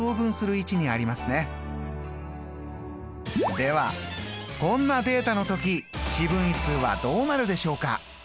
ではこんなデータの時四分位数はどうなるでしょうか？